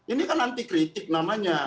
ini kan anti kritik namanya